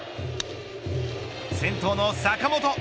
先頭の坂本。